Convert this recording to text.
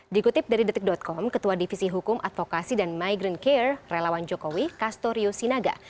dikutip dari detik com ketua divisi hukum advokasi dan migrant care relawan jokowi kastorio sinaga